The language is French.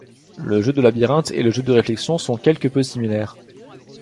Le jeu de labyrinthe et le jeu de réflexion sont quelque peu similaires.